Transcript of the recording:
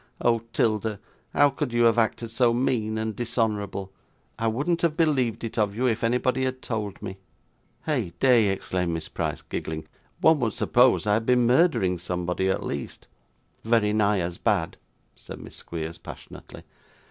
'Oh! 'Tilda, how could you have acted so mean and dishonourable! I wouldn't have believed it of you, if anybody had told me.' 'Heyday!' exclaimed Miss Price, giggling. 'One would suppose I had been murdering somebody at least.' 'Very nigh as bad,' said Miss Squeers passionately.